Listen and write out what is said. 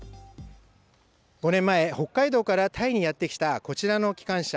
５年前、北海道からタイにやって来たこちらの機関車。